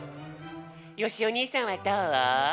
よしお兄さんはどう？